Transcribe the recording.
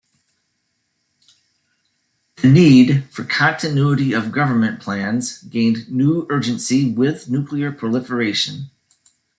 The need for continuity-of-government plans gained new urgency with nuclear proliferation.